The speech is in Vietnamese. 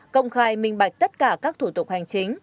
công khai minh bạch tất cả các thủ tục hành chính